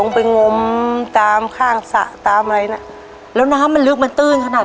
ไปงมตามข้างสระตามอะไรน่ะแล้วน้ำมันลึกมันตื้นขนาด